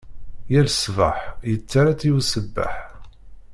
Yal ṣṣbeḥ, yettarra-tt i usebbeḥ.